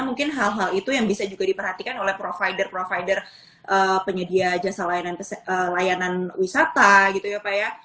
mungkin hal hal itu yang bisa juga diperhatikan oleh provider provider penyedia jasa layanan wisata